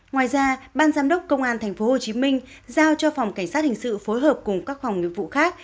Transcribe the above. ngoài ra ban giám đốc công an tp hcm giao cho phòng cảnh sát hình sự phối hợp cùng các phòng nghiệp vụ khác